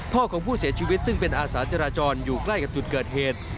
ของผู้เสียชีวิตซึ่งเป็นอาสาจราจรอยู่ใกล้กับจุดเกิดเหตุ